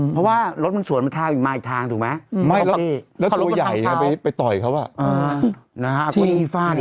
เพราะว่ารถมันสวนมาทางอยู่มาอีกทาง